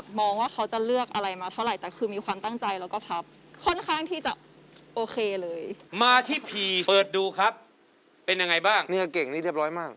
ของยักษ์เสร็จเรียบร้อยมาดูอันนี้